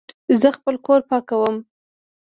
زه خپل کور پاکوم